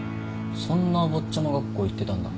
そんなお坊ちゃま学校行ってたんだ。